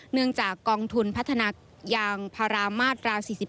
เนื่องจากกองทุนพัฒนายางภาระมาตรรา๔๙